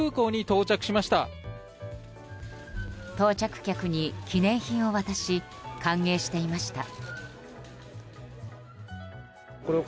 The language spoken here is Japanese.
到着客に記念品を渡し歓迎していました。